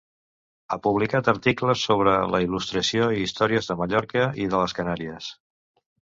Ha publicat articles sobre la Il·lustració i històries de Mallorca i de les Canàries.